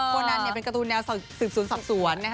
โคนัลเป็นการ์ตูแนวศึกษุนสับสวน